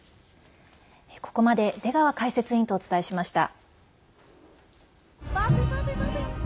ここまで出川解説委員とお伝えしました。